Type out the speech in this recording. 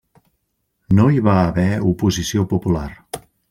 No hi va haver oposició popular.